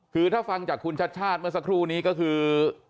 คือถ้าฟังจากคุณชัดชาติเมื่อสักครู่นี้ก็คือ